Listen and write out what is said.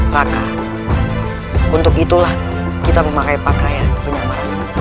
raka untuk itulah kita memakai pakaian penyamarannya